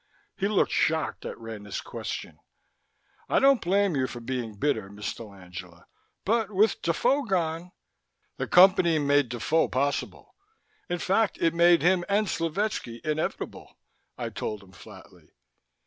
He looked shocked at Rena's question. "I don't blame you for being bitter, Miss dell'Angela. But with Defoe gone " "The Company made Defoe possible. In fact, it made him and Slovetski inevitable," I told him flatly.